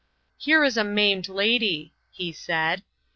" Here is a maimed lady," he said.